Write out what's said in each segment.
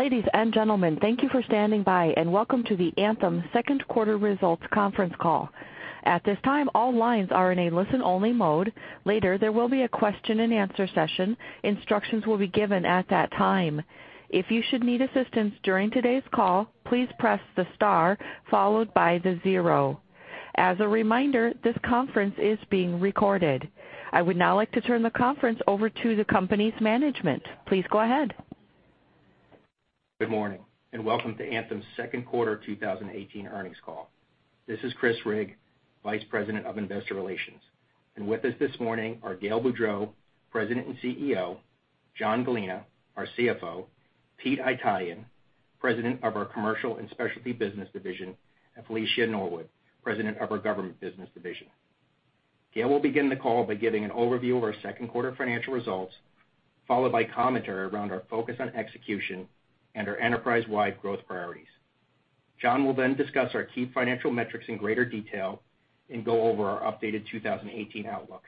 Ladies and gentlemen, thank you for standing by, and welcome to the Anthem Second Quarter Results Conference Call. At this time, all lines are in a listen-only mode. Later, there will be a question and answer session. Instructions will be given at that time. If you should need assistance during today's call, please press the star followed by the zero. As a reminder, this conference is being recorded. I would now like to turn the conference over to the company's management. Please go ahead. Good morning, and welcome to Anthem's second quarter 2018 earnings call. This is Chris Rigg, Vice President of Investor Relations, and with us this morning are Gail Boudreaux, President and CEO, John Gallina, our CFO, Peter Haytaian, President of our Commercial and Specialty Business Division, and Felicia Norwood, President of our Government Business Division. Gail will begin the call by giving an overview of our second quarter financial results, followed by commentary around our focus on execution and our enterprise-wide growth priorities. John will then discuss our key financial metrics in greater detail and go over our updated 2018 outlook.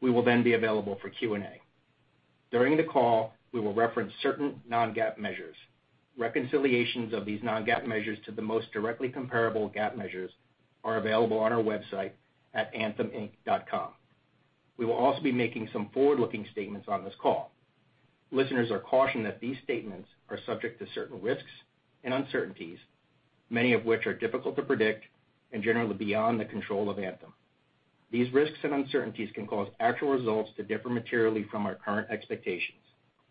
We will then be available for Q&A. During the call, we will reference certain non-GAAP measures. Reconciliations of these non-GAAP measures to the most directly comparable GAAP measures are available on our website at antheminc.com. We will also be making some forward-looking statements on this call. Listeners are cautioned that these statements are subject to certain risks and uncertainties, many of which are difficult to predict and generally beyond the control of Anthem. These risks and uncertainties can cause actual results to differ materially from our current expectations.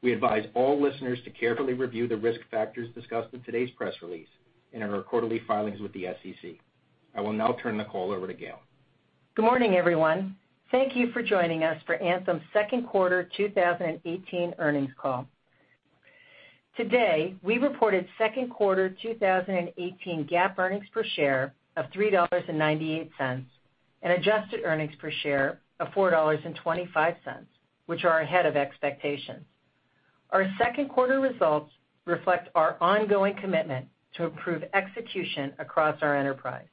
We advise all listeners to carefully review the risk factors discussed in today's press release and in our quarterly filings with the SEC. I will now turn the call over to Gail. Good morning, everyone. Thank you for joining us for Anthem's second quarter 2018 earnings call. Today, we reported second quarter 2018 GAAP earnings per share of $3.98 and adjusted earnings per share of $4.25, which are ahead of expectations. Our second quarter results reflect our ongoing commitment to improve execution across our enterprise.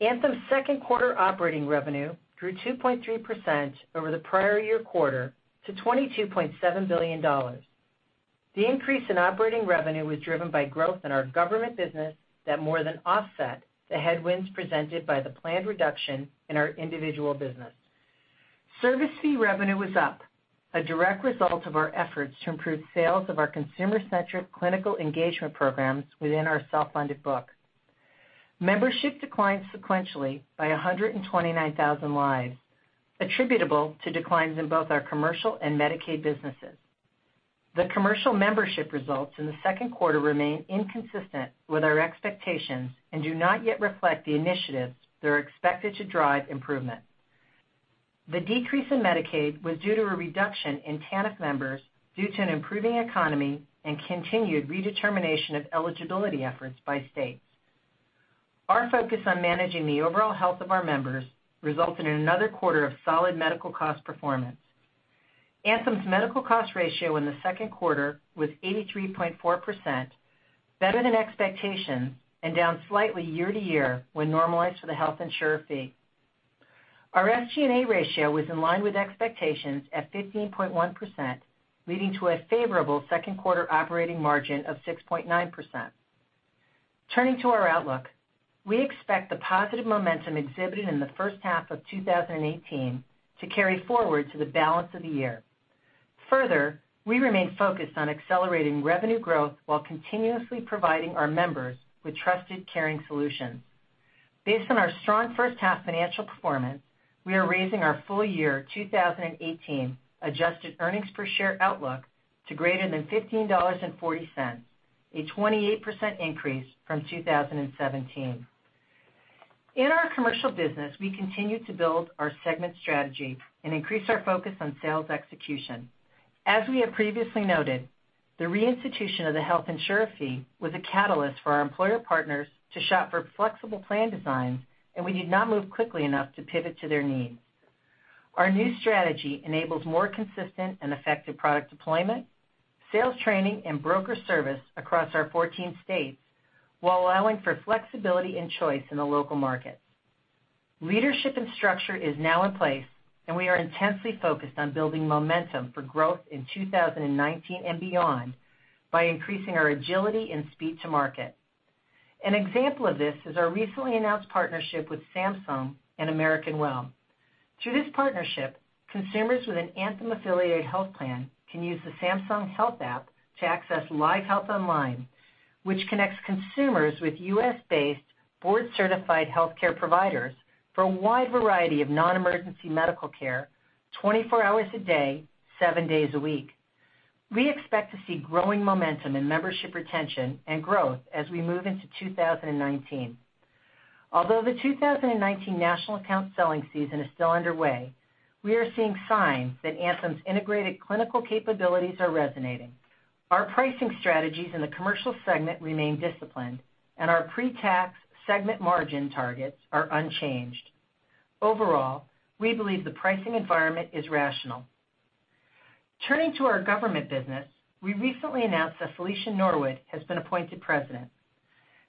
Anthem's second quarter operating revenue grew 2.3% over the prior year quarter to $22.7 billion. The increase in operating revenue was driven by growth in our government business that more than offset the headwinds presented by the planned reduction in our individual business. Service fee revenue was up, a direct result of our efforts to improve sales of our consumer-centric clinical engagement programs within our self-funded book. Membership declined sequentially by 129,000 lives attributable to declines in both our commercial and Medicaid businesses. The commercial membership results in the second quarter remain inconsistent with our expectations and do not yet reflect the initiatives that are expected to drive improvement. The decrease in Medicaid was due to a reduction in TANF members due to an improving economy and continued redetermination of eligibility efforts by states. Our focus on managing the overall health of our members resulted in another quarter of solid medical cost performance. Anthem's medical cost ratio in the second quarter was 83.4%, better than expectations, and down slightly year-over-year when normalized for the health insurer fee. Our SG&A ratio was in line with expectations at 15.1%, leading to a favorable second quarter operating margin of 6.9%. Turning to our outlook, we expect the positive momentum exhibited in the first half of 2018 to carry forward to the balance of the year. We remain focused on accelerating revenue growth while continuously providing our members with trusted caring solutions. Based on our strong first half financial performance, we are raising our full year 2018 adjusted earnings per share outlook to greater than $15.40, a 28% increase from 2017. In our commercial business, we continue to build our segment strategy and increase our focus on sales execution. As we have previously noted, the reinstitution of the health insurer fee was a catalyst for our employer partners to shop for flexible plan designs, and we did not move quickly enough to pivot to their needs. Our new strategy enables more consistent and effective product deployment, sales training, and broker service across our 14 states while allowing for flexibility and choice in the local markets. Leadership and structure is now in place. We are intensely focused on building momentum for growth in 2019 and beyond by increasing our agility and speed to market. An example of this is our recently announced partnership with Samsung and American Well. Through this partnership, consumers with an Anthem-affiliated health plan can use the Samsung Health app to access LiveHealth Online, which connects consumers with U.S.-based board-certified healthcare providers for a wide variety of non-emergency medical care 24 hours a day, seven days a week. We expect to see growing momentum in membership retention and growth as we move into 2019. Although the 2019 national account selling season is still underway, we are seeing signs that Anthem's integrated clinical capabilities are resonating. Our pricing strategies in the commercial segment remain disciplined, and our pre-tax segment margin targets are unchanged. Overall, we believe the pricing environment is rational. Turning to our government business, we recently announced that Felicia Norwood has been appointed President.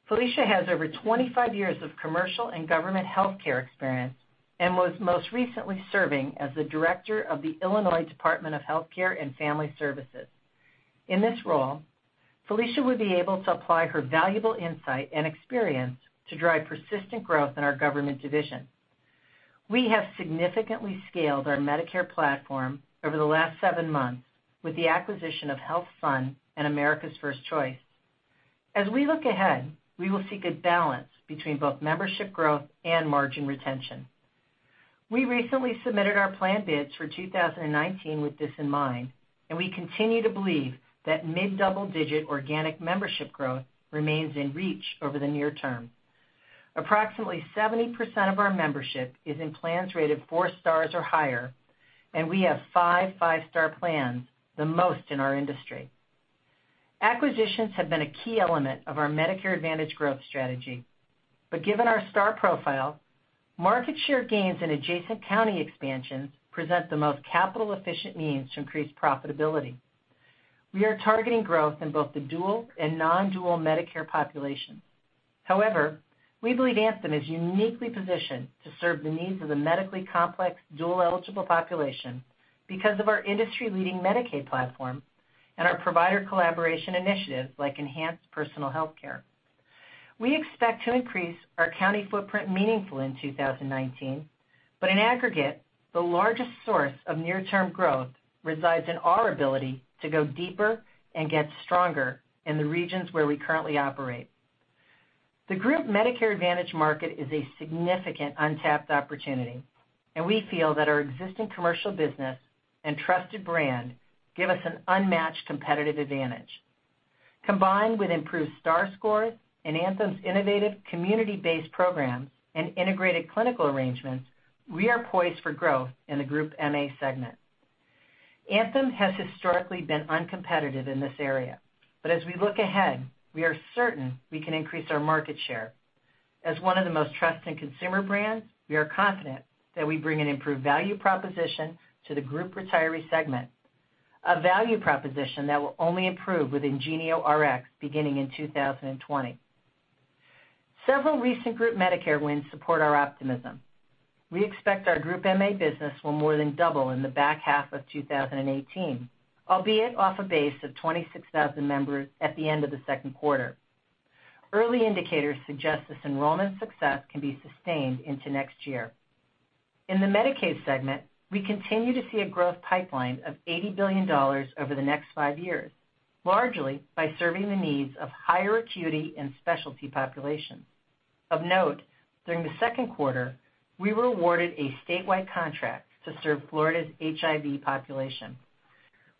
Felicia has over 25 years of commercial and government healthcare experience and was most recently serving as the director of the Illinois Department of Healthcare and Family Services. In this role, Felicia will be able to apply her valuable insight and experience to drive persistent growth in our government division. We have significantly scaled our Medicare platform over the last seven months with the acquisition of HealthSun and America's 1st Choice. As we look ahead, we will see good balance between both membership growth and margin retention. We recently submitted our plan bids for 2019 with this in mind. We continue to believe that mid double-digit organic membership growth remains in reach over the near term. Approximately 70% of our membership is in plans rated four stars or higher. We have five 5-star plans, the most in our industry. Acquisitions have been a key element of our Medicare Advantage growth strategy. Given our star profile, market share gains and adjacent county expansions present the most capital-efficient means to increase profitability. We are targeting growth in both the dual and non-dual Medicare population. We believe Anthem is uniquely positioned to serve the needs of the medically complex dual-eligible population because of our industry-leading Medicaid platform and our provider collaboration initiatives like Enhanced Personal Healthcare. We expect to increase our county footprint meaningfully in 2019. In aggregate, the largest source of near-term growth resides in our ability to go deeper and get stronger in the regions where we currently operate. The group Medicare Advantage market is a significant untapped opportunity. We feel that our existing commercial business and trusted brand give us an unmatched competitive advantage. Combined with improved star scores and Anthem's innovative community-based programs and integrated clinical arrangements, we are poised for growth in the group MA segment. Anthem has historically been uncompetitive in this area. As we look ahead, we are certain we can increase our market share. As one of the most trusted consumer brands, we are confident that we bring an improved value proposition to the group retiree segment, a value proposition that will only improve with IngenioRx beginning in 2020. Several recent group Medicare wins support our optimism. We expect our group MA business will more than double in the back half of 2018, albeit off a base of 26,000 members at the end of the second quarter. Early indicators suggest this enrollment success can be sustained into next year. In the Medicaid segment, we continue to see a growth pipeline of $80 billion over the next five years, largely by serving the needs of higher acuity and specialty populations. Of note, during the second quarter, we were awarded a statewide contract to serve Florida's HIV population.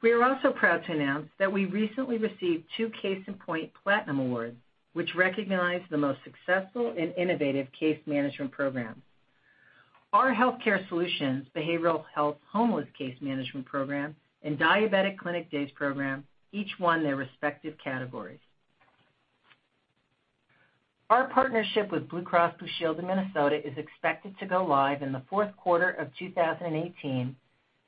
We are also proud to announce that we recently received two Case in Point Platinum Awards, which recognize the most successful and innovative case management programs. Our Healthcare Solutions Behavioral Health Homeless Case Management program and Diabetic Clinic Days program each won their respective categories. Our partnership with Blue Cross Blue Shield in Minnesota is expected to go live in the fourth quarter of 2018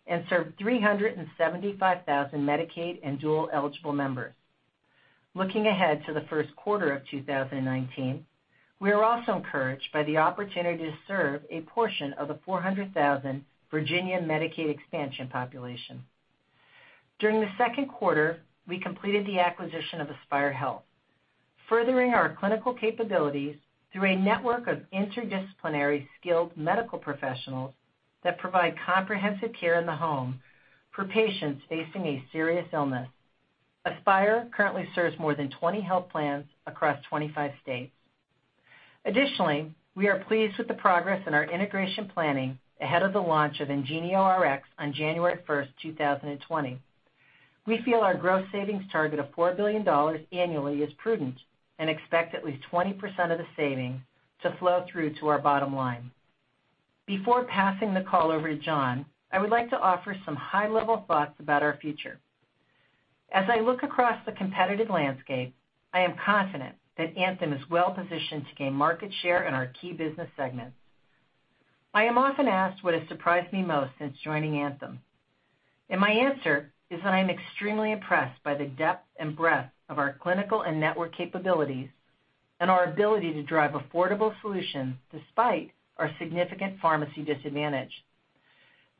and serve 375,000 Medicaid and dual-eligible members. Looking ahead to the first quarter of 2019, we are also encouraged by the opportunity to serve a portion of the 400,000 Virginia Medicaid expansion population. During the second quarter, we completed the acquisition of Aspire Health, furthering our clinical capabilities through a network of interdisciplinary skilled medical professionals that provide comprehensive care in the home for patients facing a serious illness. Aspire currently serves more than 20 health plans across 25 states. We are pleased with the progress in our integration planning ahead of the launch of IngenioRx on January 1st, 2020. We feel our gross savings target of $4 billion annually is prudent and expect at least 20% of the saving to flow through to our bottom line. Before passing the call over to John, I would like to offer some high-level thoughts about our future. As I look across the competitive landscape, I am confident that Anthem is well positioned to gain market share in our key business segments. I am often asked what has surprised me most since joining Anthem, and my answer is that I am extremely impressed by the depth and breadth of our clinical and network capabilities and our ability to drive affordable solutions despite our significant pharmacy disadvantage.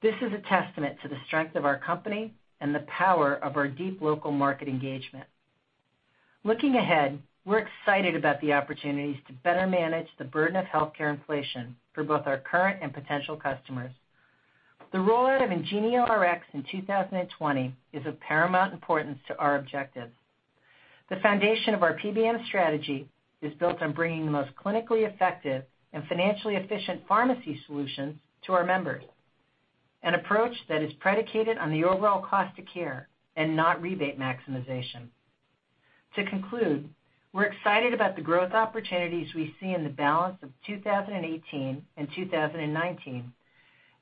This is a testament to the strength of our company and the power of our deep local market engagement. Looking ahead, we're excited about the opportunities to better manage the burden of healthcare inflation for both our current and potential customers. The rollout of IngenioRx in 2020 is of paramount importance to our objectives. The foundation of our PBM strategy is built on bringing the most clinically effective and financially efficient pharmacy solutions to our members, an approach that is predicated on the overall cost of care and not rebate maximization. To conclude, we're excited about the growth opportunities we see in the balance of 2018 and 2019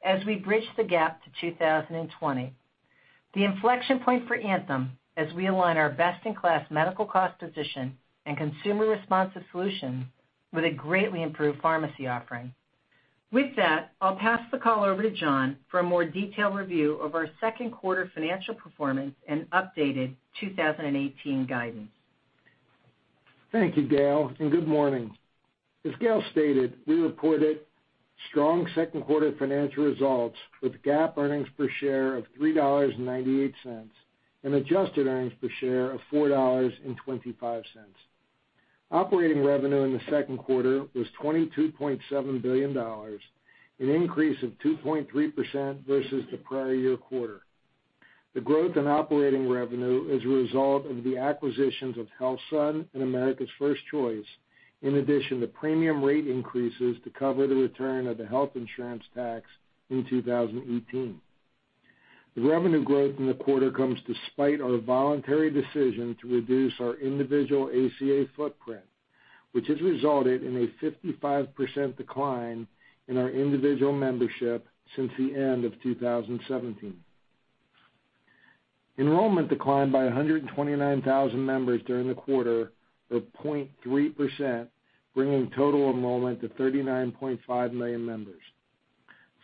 as we bridge the gap to 2020. The inflection point for Anthem as we align our best-in-class medical cost position and consumer-responsive solutions with a greatly improved pharmacy offering. With that, I'll pass the call over to John for a more detailed review of our second quarter financial performance and updated 2018 guidance. Thank you, Gail, and good morning. As Gail stated, we reported strong second quarter financial results with GAAP earnings per share of $3.98, and adjusted earnings per share of $4.25. Operating revenue in the second quarter was $22.7 billion, an increase of 2.3% versus the prior year quarter. The growth in operating revenue is a result of the acquisitions of HealthSun and America's 1st Choice, in addition to premium rate increases to cover the return of the health insurance tax in 2018. The revenue growth in the quarter comes despite our voluntary decision to reduce our individual ACA footprint, which has resulted in a 55% decline in our individual membership since the end of 2017. Enrollment declined by 129,000 members during the quarter, or 0.3%, bringing total enrollment to 39.5 million members.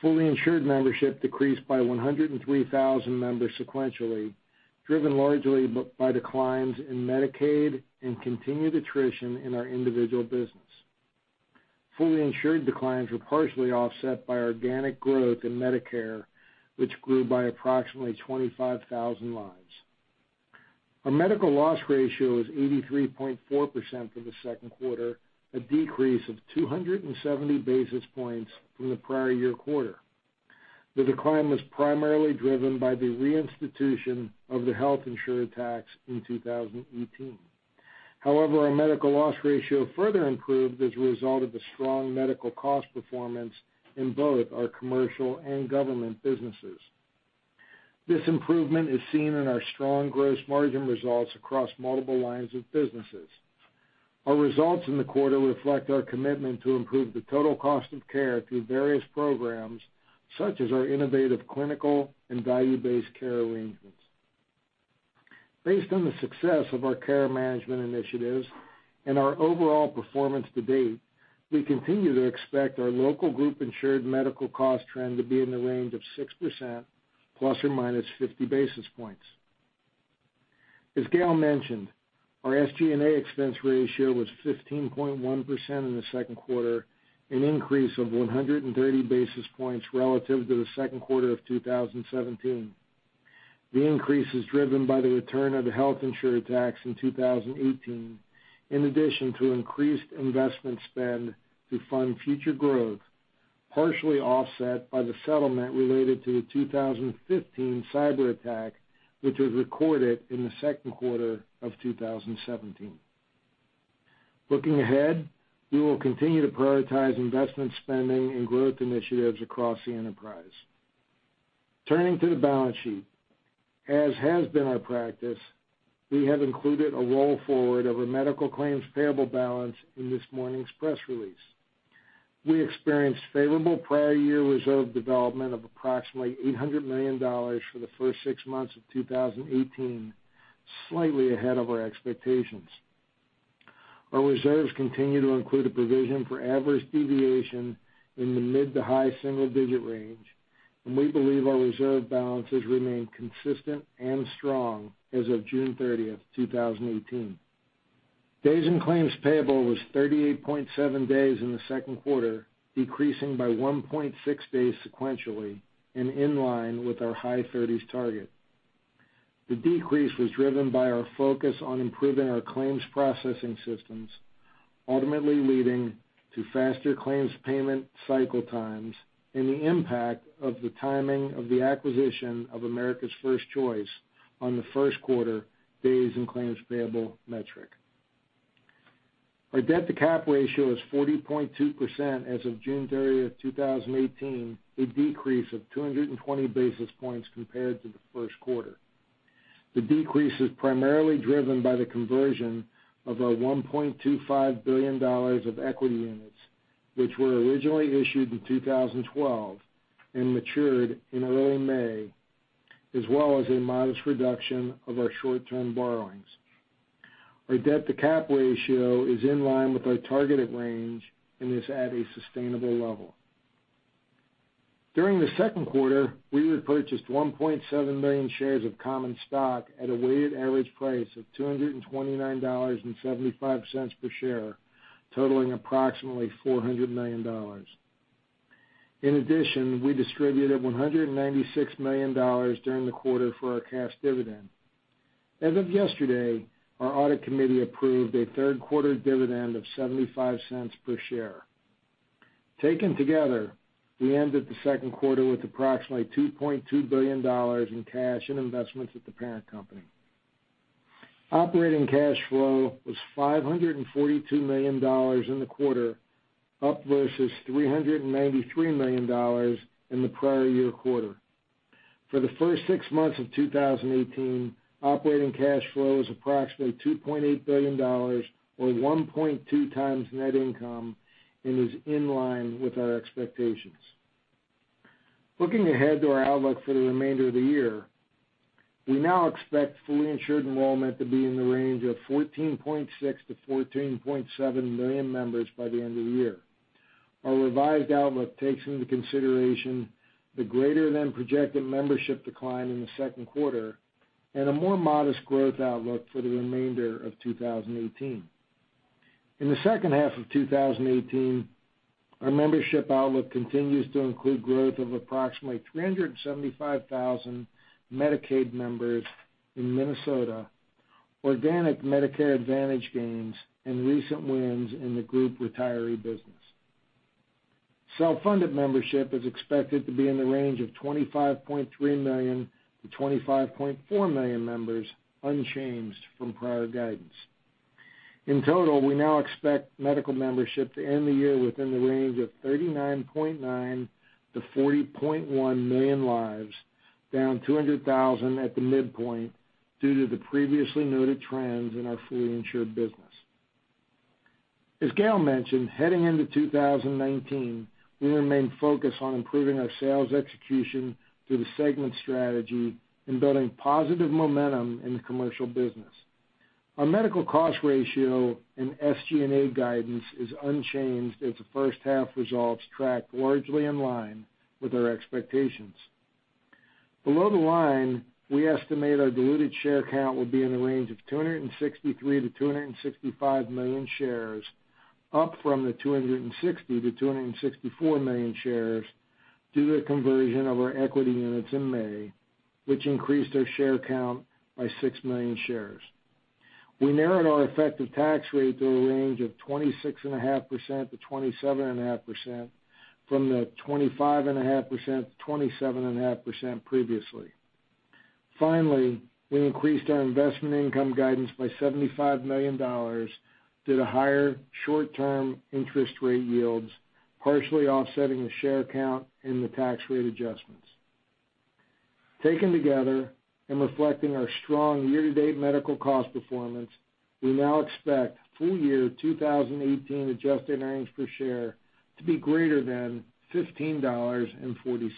Fully insured membership decreased by 103,000 members sequentially, driven largely by declines in Medicaid and continued attrition in our individual business. Fully insured declines were partially offset by organic growth in Medicare, which grew by approximately 25,000 lives. Our medical loss ratio was 83.4% for the second quarter, a decrease of 270 basis points from the prior year quarter. The decline was primarily driven by the reinstitution of the health insurer tax in 2018. However, our medical loss ratio further improved as a result of the strong medical cost performance in both our commercial and government businesses. This improvement is seen in our strong gross margin results across multiple lines of businesses. Our results in the quarter reflect our commitment to improve the total cost of care through various programs, such as our innovative clinical and value-based care arrangements. Based on the success of our care management initiatives and our overall performance to date, we continue to expect our local group insured medical cost trend to be in the range of 6%, ±50 basis points. As Gail mentioned, our SG&A expense ratio was 15.1% in the second quarter, an increase of 130 basis points relative to the second quarter of 2017. The increase is driven by the return of the health insurer tax in 2018, in addition to increased investment spend to fund future growth, partially offset by the settlement related to the 2015 cyberattack, which was recorded in the second quarter of 2017. Looking ahead, we will continue to prioritize investment spending and growth initiatives across the enterprise. Turning to the balance sheet. As has been our practice, we have included a roll-forward of our medical claims payable balance in this morning's press release. We experienced favorable prior year reserve development of approximately $800 million for the first six months of 2018, slightly ahead of our expectations. Our reserves continue to include a provision for adverse deviation in the mid to high single-digit range, and we believe our reserve balances remain consistent and strong as of June 30th, 2018. Days in claims payable was 38.7 days in the second quarter, decreasing by 1.6 days sequentially and in line with our high 30s target. The decrease was driven by our focus on improving our claims processing systems, ultimately leading to faster claims payment cycle times and the impact of the timing of the acquisition of America's 1st Choice on the first quarter days in claims payable metric. Our debt-to-cap ratio is 40.2% as of June 30th, 2018, a decrease of 220 basis points compared to the first quarter. The decrease is primarily driven by the conversion of our $1.25 billion of equity units, which were originally issued in 2012 and matured in early May, as well as a modest reduction of our short-term borrowings. Our debt-to-cap ratio is in line with our targeted range and is at a sustainable level. During the second quarter, we repurchased 1.7 million shares of common stock at a weighted average price of $229.75 per share, totaling approximately $400 million. In addition, we distributed $196 million during the quarter for our cash dividend. As of yesterday, our audit committee approved a third quarter dividend of $0.75 per share. Taken together, we ended the second quarter with approximately $2.2 billion in cash and investments at the parent company. Operating cash flow was $542 million in the quarter, up versus $393 million in the prior year quarter. For the first six months of 2018, operating cash flow is approximately $2.8 billion, or 1.2 times net income, and is in line with our expectations. Looking ahead to our outlook for the remainder of the year, we now expect fully insured enrollment to be in the range of 14.6 to 14.7 million members by the end of the year. Our revised outlook takes into consideration the greater than projected membership decline in the second quarter, and a more modest growth outlook for the remainder of 2018. In the second half of 2018, our membership outlook continues to include growth of approximately 375,000 Medicaid members in Minnesota, organic Medicare Advantage gains, and recent wins in the group retiree business. Self-funded membership is expected to be in the range of 25.3 million to 25.4 million members, unchanged from prior guidance. In total, we now expect medical membership to end the year within the range of 39.9 to 40.1 million lives, down 200,000 at the midpoint due to the previously noted trends in our fully insured business. As Gail mentioned, heading into 2019, we remain focused on improving our sales execution through the segment strategy and building positive momentum in the commercial business. Our medical cost ratio and SG&A guidance is unchanged as the first half results track largely in line with our expectations. Below the line, we estimate our diluted share count will be in the range of 263 to 265 million shares, up from the 260 to 264 million shares due to the conversion of our equity units in May, which increased our share count by six million shares. We narrowed our effective tax rate to a range of 26.5%-27.5% from the 25.5%-27.5% previously. Finally, we increased our investment income guidance by $75 million due to higher short-term interest rate yields, partially offsetting the share count and the tax rate adjustments. Taken together, and reflecting our strong year-to-date medical cost performance, we now expect full year 2018 adjusted earnings per share to be greater than $15.40.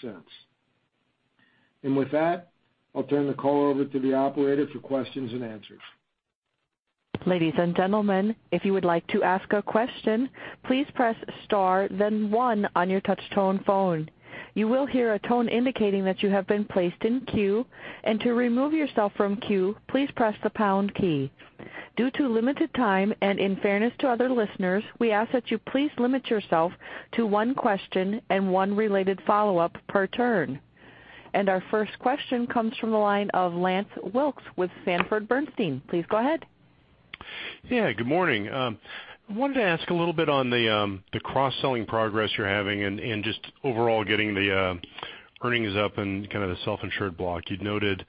With that, I'll turn the call over to the operator for questions and answers. Ladies and gentlemen, if you would like to ask a question, please press star then one on your touch tone phone. You will hear a tone indicating that you have been placed in queue, and to remove yourself from queue, please press the pound key. Due to limited time and in fairness to other listeners, we ask that you please limit yourself to one question and one related follow-up per turn. Our first question comes from the line of Lance Wilkes with Sanford Bernstein. Please go ahead. Yeah, good morning. I wanted to ask a little bit on the cross-selling progress you're having and just overall getting the earnings up and kind of the self-insured block. You'd noted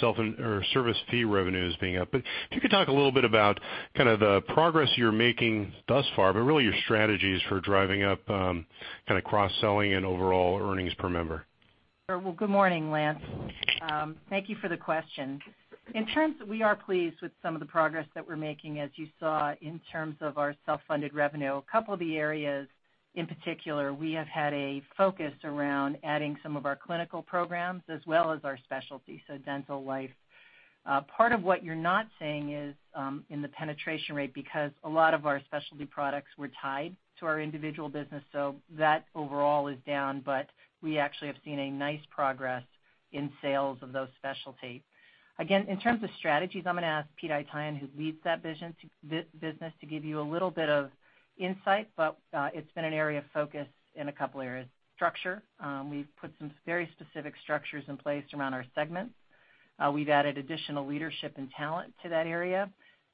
service fee revenues being up. If you could talk a little bit about kind of the progress you're making thus far, but really your strategies for driving up kind of cross-selling and overall earnings per member. Sure. Well, good morning, Lance. Thank you for the question. In terms of, we are pleased with some of the progress that we're making, as you saw, in terms of our self-funded revenue. A couple of the areas in particular, we have had a focus around adding some of our clinical programs as well as our specialty, so dental, life. Part of what you're not seeing is in the penetration rate, because a lot of our specialty products were tied to our individual business, so that overall is down. We actually have seen a nice progress in sales of those specialties. Again, in terms of strategies, I'm going to ask Pete Haytaian, who leads that business, to give you a little bit of insight. It's been an area of focus in a couple areas. Structure. We've put some very specific structures in place around our segments. We've added additional leadership and talent to that area.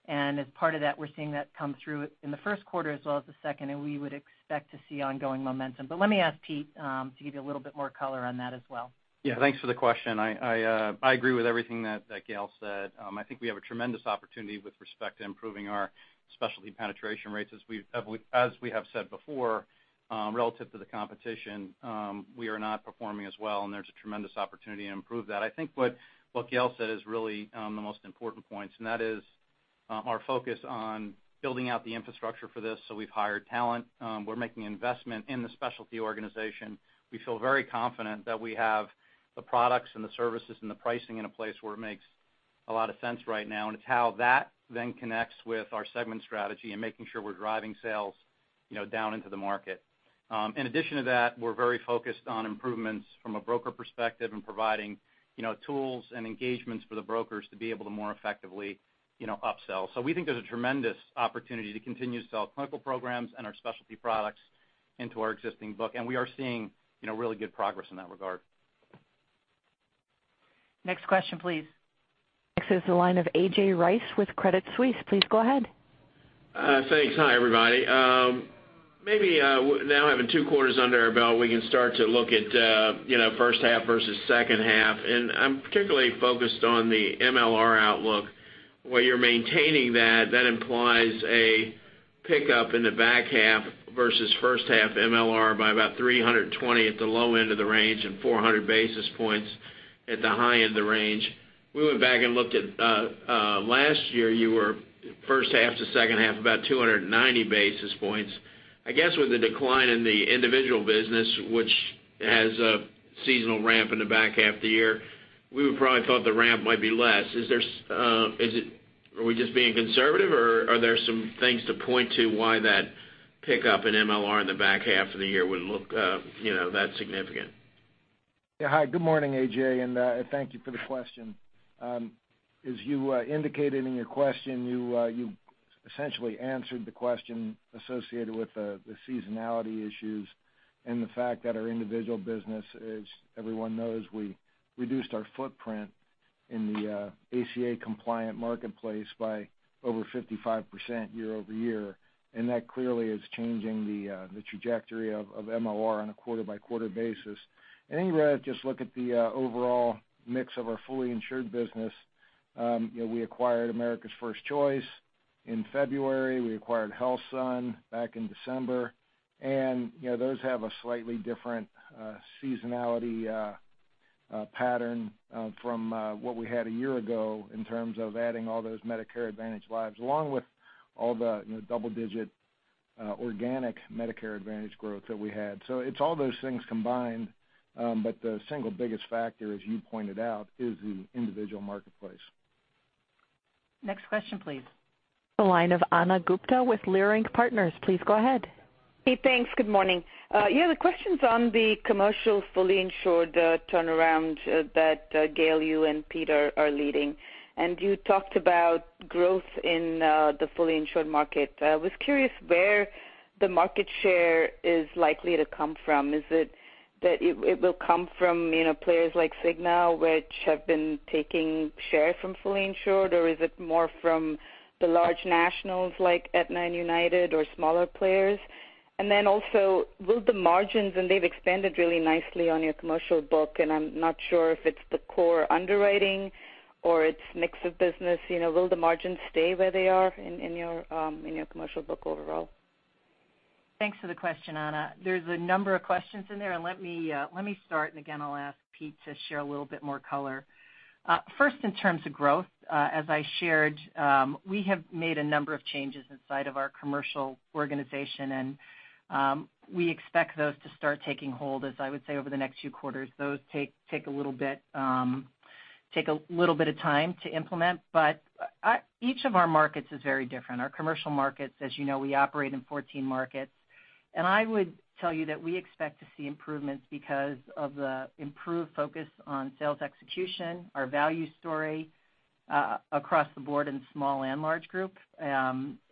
As part of that, we're seeing that come through in the first quarter as well as the second, and we would expect to see ongoing momentum. Let me ask Pete to give you a little bit more color on that as well. Yeah, thanks for the question. I agree with everything that Gail said. I think we have a tremendous opportunity with respect to improving our specialty penetration rates. As we have said before, relative to the competition, we are not performing as well, and there's a tremendous opportunity to improve that. I think what Gail said is really the most important points, and that is our focus on building out the infrastructure for this. We've hired talent. We're making investment in the specialty organization. We feel very confident that we have the products and the services and the pricing in a place where it makes a lot of sense right now. It's how that then connects with our segment strategy and making sure we're driving sales down into the market. In addition to that, we're very focused on improvements from a broker perspective and providing tools and engagements for the brokers to be able to more effectively upsell. We think there's a tremendous opportunity to continue to sell clinical programs and our specialty products into our existing book, and we are seeing really good progress in that regard. Next question, please. Next is the line of A.J. Rice with Credit Suisse. Please go ahead. Thanks. Hi, everybody. Maybe now having two quarters under our belt, we can start to look at first half versus second half, and I'm particularly focused on the MLR outlook, where you're maintaining that. That implies a pickup in the back half versus first half MLR by about 320 at the low end of the range and 400 basis points at the high end of the range. We went back and looked at last year, you were first half to second half about 290 basis points. I guess with the decline in the individual business, which has a seasonal ramp in the back half of the year, we would probably thought the ramp might be less. Are we just being conservative, or are there some things to point to why that pickup in MLR in the back half of the year would look that significant? Yeah. Hi, good morning, A.J., and thank you for the question. As you indicated in your question, you essentially answered the question associated with the seasonality issues and the fact that our individual business is, everyone knows, we reduced our footprint in the ACA compliant marketplace by over 55% year-over-year, and that clearly is changing the trajectory of MLR on a quarter-by-quarter basis. You just look at the overall mix of our fully insured business. We acquired America's 1st Choice in February. We acquired HealthSun back in December, and those have a slightly different seasonality pattern from what we had a year ago in terms of adding all those Medicare Advantage lives, along with all the double-digit organic Medicare Advantage growth that we had. It's all those things combined. The single biggest factor, as you pointed out, is the individual marketplace. Next question, please. The line of Ana Gupte with Leerink Partners. Please go ahead. Hey, thanks. Good morning. The question's on the commercial fully insured turnaround that Gail, you, and Peter are leading. You talked about growth in the fully insured market. I was curious where the market share is likely to come from. Is it that it will come from players like Cigna, which have been taking share from fully insured, or is it more from the large nationals like Aetna and United or smaller players? Also, will the margins, they've expanded really nicely on your commercial book, I'm not sure if it's the core underwriting or it's mix of business. Will the margins stay where they are in your commercial book overall? Thanks for the question, Ana. There's a number of questions in there. Let me start, again, I'll ask Pete to share a little bit more color. First, in terms of growth, as I shared, we have made a number of changes inside of our commercial organization. We expect those to start taking hold, as I would say, over the next few quarters. Those take a little bit of time to implement. Each of our markets is very different. Our commercial markets, as you know, we operate in 14 markets. I would tell you that we expect to see improvements because of the improved focus on sales execution, our value story across the board in small and large group.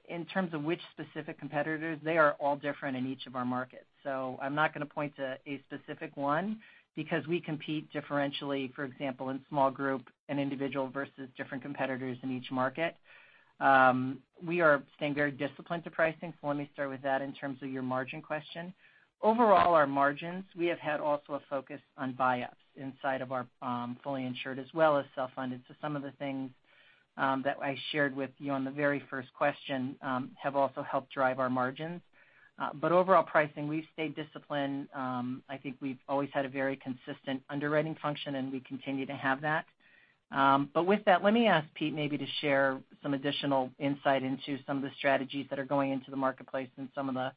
In terms of which specific competitors, they are all different in each of our markets. I'm not going to point to a specific one because we compete differentially, for example, in small group and individual versus different competitors in each market. We are staying very disciplined to pricing. Let me start with that in terms of your margin question. Overall, our margins, we have had also a focus on buy-ups inside of our fully insured as well as self-funded. Some of the things that I shared with you on the very first question have also helped drive our margins. Overall pricing, we've stayed disciplined. I think we've always had a very consistent underwriting function. We continue to have that. With that, let me ask Pete maybe to share some additional insight into some of the strategies that are going into the marketplace, some of the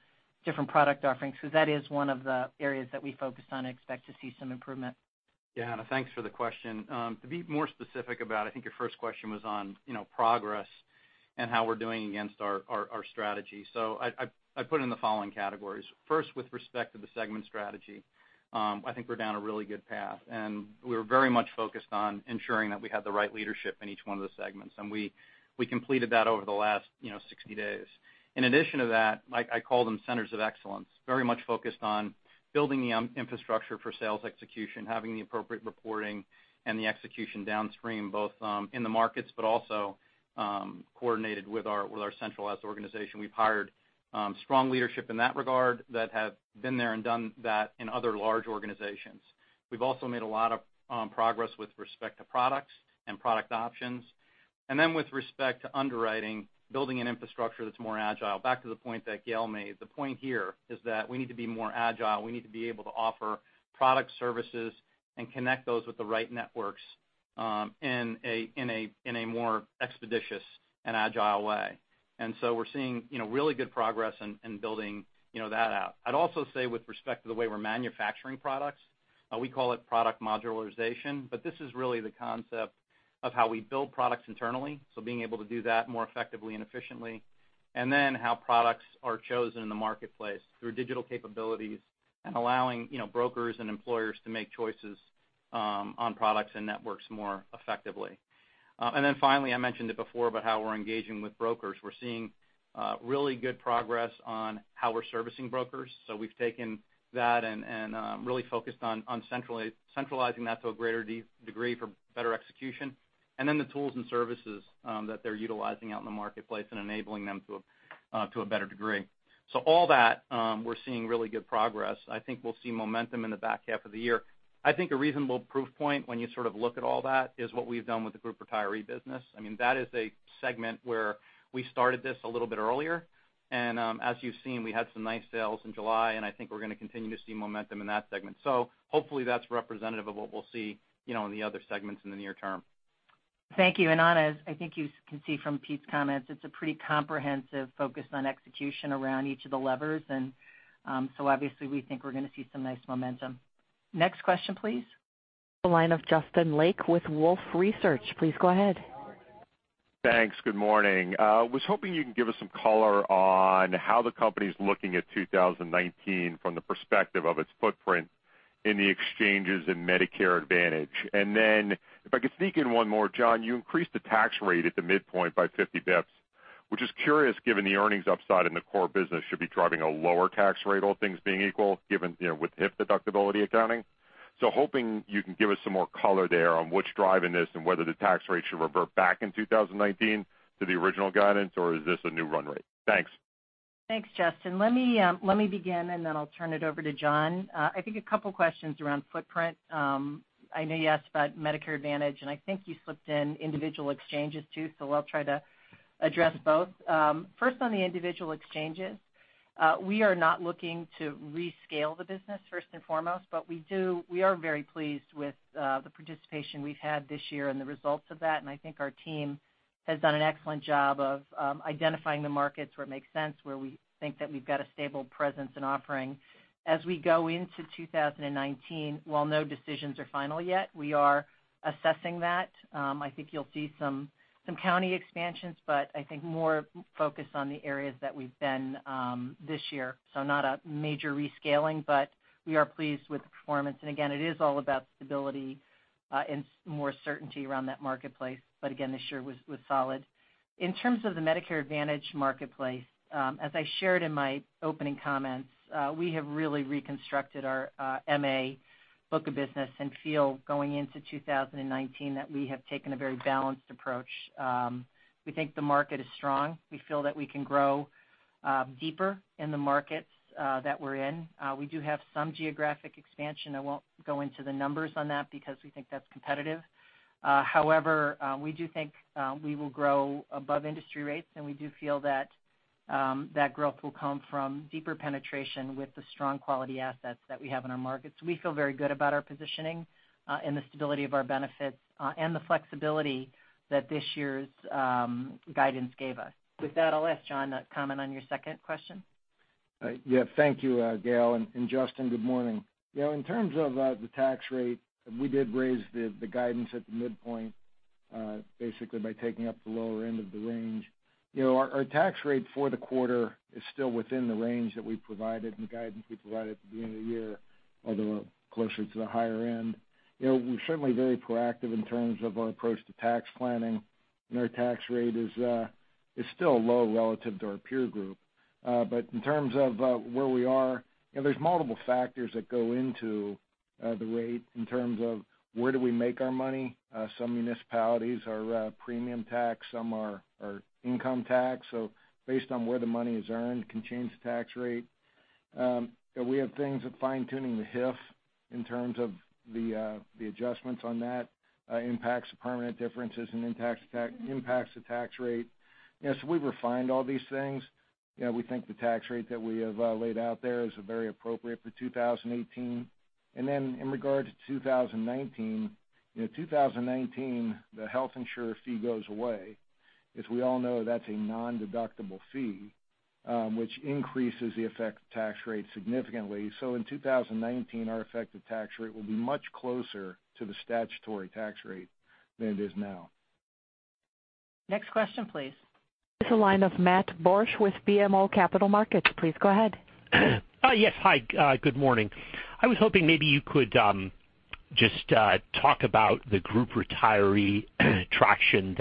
different product offerings, because that is one of the areas that we focus on and expect to see some improvement. Yeah, Ana, thanks for the question. To be more specific about, I think your first question was on progress and how we're doing against our strategy. I'd put it in the following categories. First, with respect to the segment strategy, I think we're down a really good path, and we're very much focused on ensuring that we have the right leadership in each one of the segments. We completed that over the last 60 days. In addition to that, I call them centers of excellence. Very much focused on building the infrastructure for sales execution, having the appropriate reporting and the execution downstream, both in the markets but also coordinated with our centralized organization. We've hired strong leadership in that regard that have been there and done that in other large organizations. We've also made a lot of progress with respect to products and product options. With respect to underwriting, building an infrastructure that's more agile. Back to the point that Gail made, the point here is that we need to be more agile. We need to be able to offer product services and connect those with the right networks in a more expeditious and agile way. We're seeing really good progress in building that out. I'd also say with respect to the way we're manufacturing products, we call it product modularization, but this is really the concept of how we build products internally, so being able to do that more effectively and efficiently, and then how products are chosen in the marketplace through digital capabilities and allowing brokers and employers to make choices on products and networks more effectively. Finally, I mentioned it before, but how we're engaging with brokers. We're seeing really good progress on how we're servicing brokers. We've taken that and really focused on centralizing that to a greater degree for better execution. The tools and services that they're utilizing out in the marketplace and enabling them to a better degree. All that, we're seeing really good progress. I think we'll see momentum in the back half of the year. I think a reasonable proof point when you sort of look at all that is what we've done with the group retiree business. That is a segment where we started this a little bit earlier, and as you've seen, we had some nice sales in July, and I think we're going to continue to see momentum in that segment. Hopefully, that's representative of what we'll see in the other segments in the near term. Thank you, Ana. I think you can see from Pete's comments, it's a pretty comprehensive focus on execution around each of the levers. Obviously we think we're going to see some nice momentum. Next question, please. The line of Justin Lake with Wolfe Research. Please go ahead. Thanks. Good morning. I was hoping you can give us some color on how the company's looking at 2019 from the perspective of its footprint in the exchanges in Medicare Advantage. If I could sneak in one more, John, you increased the tax rate at the midpoint by 50 basis points, which is curious given the earnings upside in the core business should be driving a lower tax rate, all things being equal, given with HIF deductibility accounting. Hoping you can give us some more color there on what's driving this and whether the tax rate should revert back in 2019 to the original guidance, or is this a new run rate? Thanks. Thanks, Justin. Let me begin, I'll turn it over to John. I think a couple of questions around footprint. I know you asked about Medicare Advantage, you slipped in individual exchanges too, I'll try to address both. First on the individual exchanges. We are not looking to rescale the business first and foremost, we are very pleased with the participation we've had this year and the results of that, our team has done an excellent job of identifying the markets where it makes sense, where we think that we've got a stable presence and offering. As we go into 2019, while no decisions are final yet, we are assessing that. I think you'll see some county expansions, I think more focus on the areas that we've been this year. Not a major rescaling, we are pleased with the performance. Again, it is all about stability and more certainty around that marketplace. Again, this year was solid. In terms of the Medicare Advantage marketplace, as I shared in my opening comments, we have really reconstructed our MA book of business and feel going into 2019 that we have taken a very balanced approach. We think the market is strong. We feel that we can grow deeper in the markets that we're in. We do have some geographic expansion. I won't go into the numbers on that because we think that's competitive. However, we do think we will grow above industry rates, we do feel that that growth will come from deeper penetration with the strong quality assets that we have in our markets. We feel very good about our positioning and the stability of our benefits and the flexibility that this year's guidance gave us. With that, I'll ask John to comment on your second question. Yeah. Thank you, Gail. Justin, good morning. In terms of the tax rate, we did raise the guidance at the midpoint basically by taking up the lower end of the range. Our tax rate for the quarter is still within the range that we provided and the guidance we provided at the beginning of the year, although closer to the higher end. Our tax rate is still low relative to our peer group. In terms of where we are, there's multiple factors that go into the rate in terms of where do we make our money. Some municipalities are premium tax, some are income tax, based on where the money is earned can change the tax rate. We have things like fine-tuning the HIF in terms of the adjustments on that impacts the permanent differences and impacts the tax rate. We refined all these things. We think the tax rate that we have laid out there is very appropriate for 2018. In regard to 2019, the health insurer fee goes away. As we all know, that's a non-deductible fee, which increases the effect of tax rate significantly. In 2019, our effective tax rate will be much closer to the statutory tax rate than it is now. Next question, please. It's the line of Matthew Borsch with BMO Capital Markets. Please go ahead. Yes, hi. Good morning. I was hoping maybe you could just talk about the group retiree traction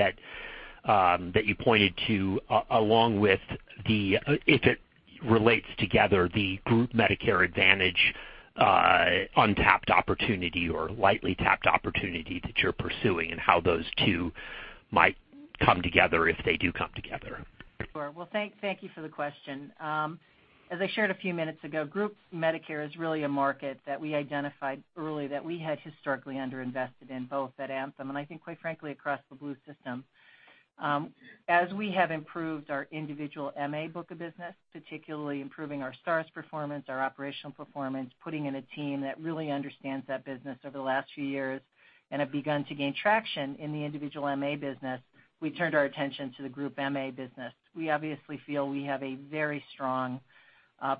that you pointed to, along with the, if it relates together, the group Medicare Advantage untapped opportunity or lightly tapped opportunity that you're pursuing and how those two might come together if they do come together. Sure. Well, thank you for the question. As I shared a few minutes ago, group Medicare is really a market that we identified early that we had historically under-invested in, both at Anthem, and I think quite frankly across the Blue system. As we have improved our individual MA book of business, particularly improving our stars performance, our operational performance, putting in a team that really understands that business over the last few years and have begun to gain traction in the individual MA business, we turned our attention to the group MA business. We obviously feel we have a very strong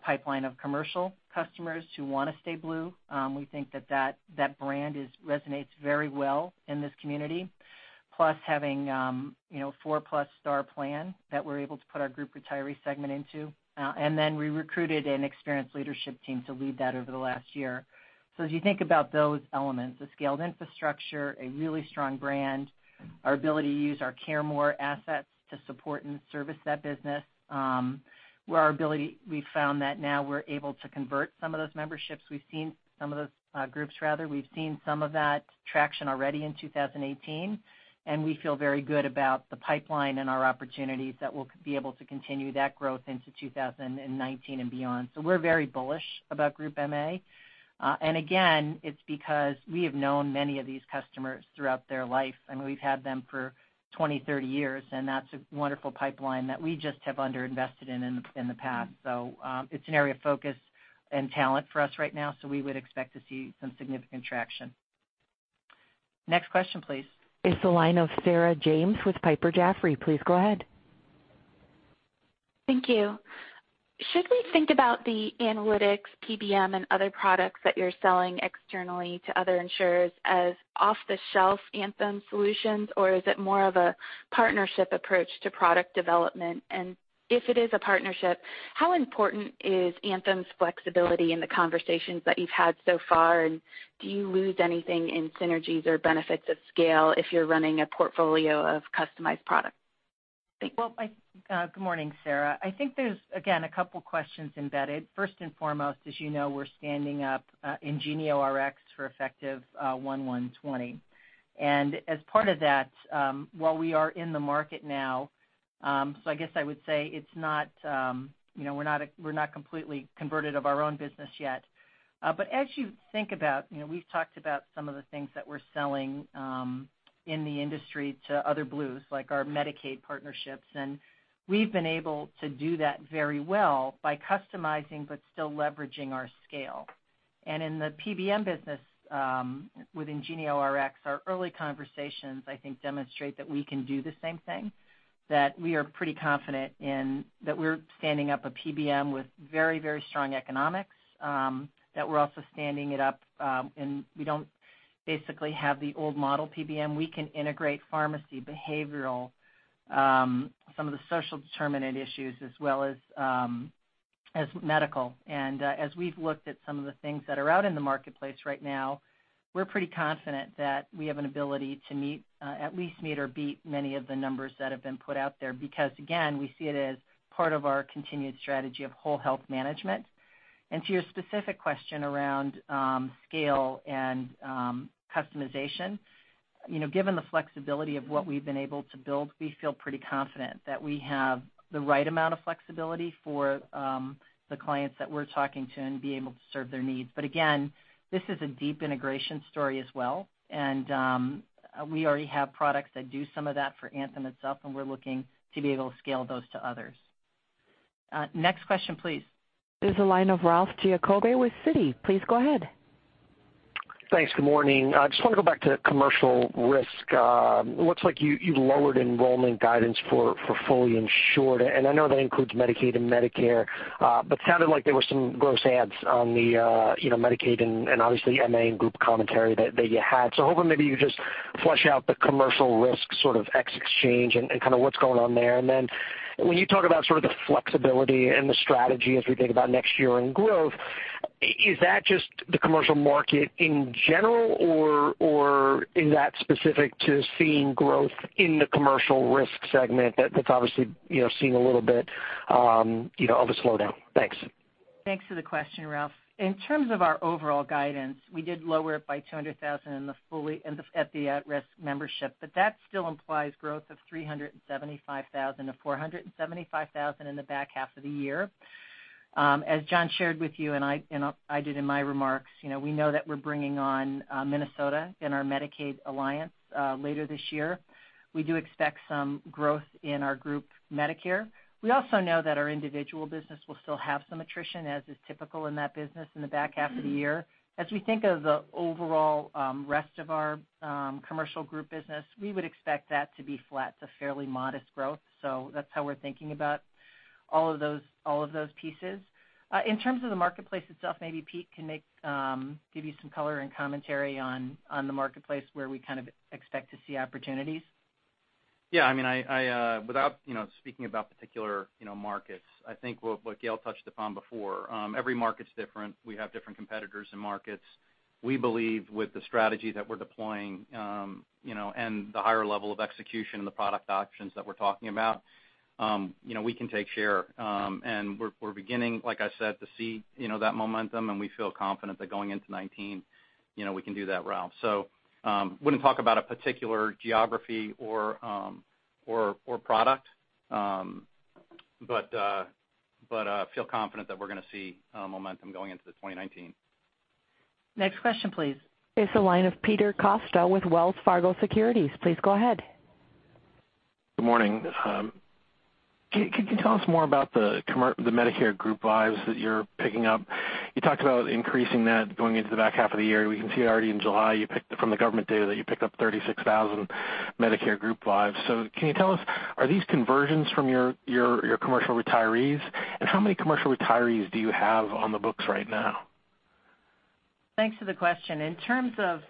pipeline of commercial customers who want to stay Blue. We think that brand resonates very well in this community, plus having 4-plus star plan that we're able to put our group retiree segment into. We recruited an experienced leadership team to lead that over the last year. As you think about those elements, the scaled infrastructure, a really strong brand, our ability to use our CareMore assets to support and service that business, we found that now we're able to convert some of those memberships. We've seen some of those groups, rather, we've seen some of that traction already in 2018, and we feel very good about the pipeline and our opportunities that we'll be able to continue that growth into 2019 and beyond. We're very bullish about group MA. Again, it's because we have known many of these customers throughout their life, and we've had them for 20, 30 years, and that's a wonderful pipeline that we just have under-invested in the past. It's an area of focus and talent for us right now, so we would expect to see some significant traction. Next question, please. It's the line of Sarah James with Piper Jaffray. Please go ahead. Thank you. Should we think about the analytics PBM and other products that you're selling externally to other insurers as off-the-shelf Anthem solutions, or is it more of a partnership approach to product development? If it is a partnership, how important is Anthem's flexibility in the conversations that you've had so far? Do you lose anything in synergies or benefits of scale if you're running a portfolio of customized products? Thanks. Well, good morning, Sarah. I think there's, again, a couple questions embedded. First and foremost, as you know, we're standing up IngenioRx for effective 1/1/2020. As part of that, while we are in the market now, so I guess I would say we're not completely converted of our own business yet. As you think about, we've talked about some of the things that we're selling in the industry to other Blues, like our Medicaid partnerships, we've been able to do that very well by customizing but still leveraging our scale. In the PBM business with IngenioRx, our early conversations, I think, demonstrate that we can do the same thing, that we are pretty confident in that we're standing up a PBM with very strong economics, that we're also standing it up, and we don't basically have the old model PBM. We can integrate pharmacy behavioral, some of the social determinant issues, as well as medical. As we've looked at some of the things that are out in the marketplace right now, we're pretty confident that we have an ability to at least meet or beat many of the numbers that have been put out there, because again, we see it as part of our continued strategy of whole health management. To your specific question around scale and customization, given the flexibility of what we've been able to build, we feel pretty confident that we have the right amount of flexibility for the clients that we're talking to and be able to serve their needs. Again, this is a deep integration story as well, and we already have products that do some of that for Anthem itself, and we're looking to be able to scale those to others. Next question, please. It's the line of Ralph Giacobbe with Citi. Please go ahead. Thanks. Good morning. I just want to go back to commercial risk. It looks like you lowered enrollment guidance for fully insured, I know that includes Medicaid and Medicare. Sounded like there were some gross adds on the Medicaid and obviously MA and group commentary that you had. Hoping maybe you just flesh out the commercial risk sort of ex exchange and kind of what's going on there. Then when you talk about sort of the flexibility and the strategy as we think about next year and growth, is that just the commercial market in general, or is that specific to seeing growth in the commercial risk segment that's obviously seeing a little bit of a slowdown? Thanks. Thanks for the question, Ralph. In terms of our overall guidance, we did lower it by 200,000 at the at-risk membership, but that still implies growth of 375,000-475,000 in the back half of the year. As John shared with you and I did in my remarks, we know that we're bringing on Minnesota in our Medicaid alliance later this year. We do expect some growth in our group Medicare. We also know that our individual business will still have some attrition, as is typical in that business in the back half of the year. That's how we're thinking about all of those pieces. In terms of the marketplace itself, maybe Pete can give you some color and commentary on the marketplace where we kind of expect to see opportunities. Without speaking about particular markets, I think what Gail touched upon before, every market's different. We have different competitors in markets. We believe with the strategy that we're deploying, and the higher level of execution and the product options that we're talking about, we can take share. We're beginning, like I said, to see that momentum, and we feel confident that going into 2019 we can do that, Ralph. Wouldn't talk about a particular geography or product, but feel confident that we're going to see momentum going into the 2019. Next question, please. It's the line of Peter Costa with Wells Fargo Securities. Please go ahead. Good morning. Can you tell us more about the Medicare group lives that you're picking up? You talked about increasing that going into the back half of the year. We can see already in July, from the government data, that you picked up 36,000 Medicare group lives. Can you tell us, are these conversions from your commercial retirees? How many commercial retirees do you have on the books right now? Thanks for the question. In terms of